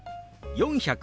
「４００」。